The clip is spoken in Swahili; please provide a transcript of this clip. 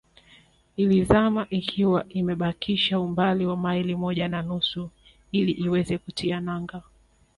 Ilizama ikiwa imebakisha umbali wa maili moja na nusu ili iweze kutia nanga